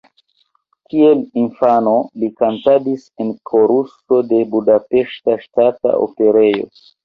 Kiel infano, li kantadis en koruso de Budapeŝta Ŝtata Operejo.